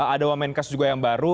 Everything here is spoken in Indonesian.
ada wamenkes juga yang baru